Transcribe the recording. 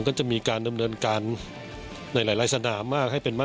เนื่องจากว่าง่ายต่อระบบการจัดการโดยคาดว่าจะแข่งขันได้วันละ๓๔คู่ด้วยที่บางเกาะอารีน่าอย่างไรก็ตามครับ